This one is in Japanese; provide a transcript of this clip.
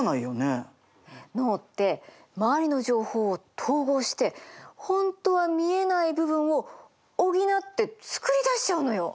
脳って周りの情報を統合して本当は見えない部分を補って作り出しちゃうのよ。